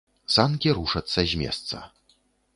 Санкі рушацца з месца.